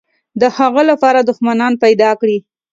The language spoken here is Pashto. د هغه لپاره دښمنان پیدا کړي.